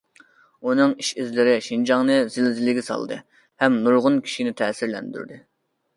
ئۇنىڭ ئىش- ئىزلىرى شىنجاڭنى زىلزىلىگە سالدى ھەم نۇرغۇن كىشىنى تەسىرلەندۈردى.